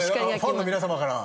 ファンの皆様から？